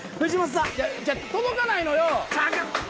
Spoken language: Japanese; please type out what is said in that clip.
届かないのよ。